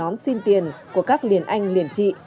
công an đã đặt nón xin tiền của các liền anh liền trị